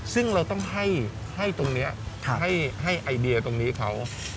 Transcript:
ซึ่งเราต้องให้ตรงนี้ให้ไอเดียตรงนี้เขา